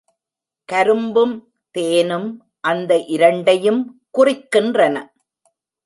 கரும்பும் தேனும் அந்த இரண்டையும் குறிக்கின்றன.